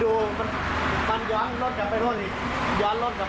โอ้โหจะเป็น๒๐อยู่แล้ว